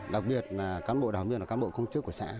đặc biệt là cán bộ đảng viên và cán bộ công chức của xã